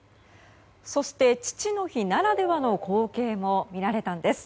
そして、父の日ならではの光景も見られたんです。